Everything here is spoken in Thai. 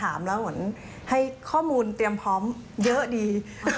เหมือนให้ข้อมูลเตรียมพร้อมเยอะดี